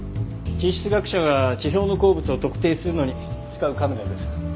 地質学者が地表の鉱物を特定するのに使うカメラです。